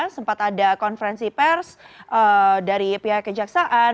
sempat ada konferensi pers dari pihak kejaksaan